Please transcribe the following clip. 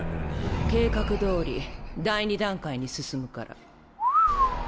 計画どおり第２段階に進むから。